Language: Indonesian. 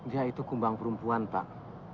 dia itu kumbang perempuan pak